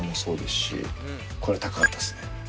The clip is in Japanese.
これ高かったっすね。